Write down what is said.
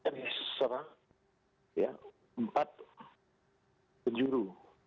dan diseserah ya empat penjuru